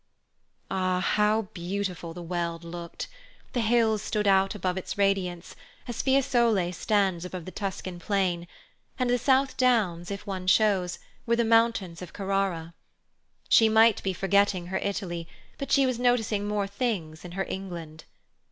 Ah, how beautiful the Weald looked! The hills stood out above its radiance, as Fiesole stands above the Tuscan Plain, and the South Downs, if one chose, were the mountains of Carrara. She might be forgetting her Italy, but she was noticing more things in her England.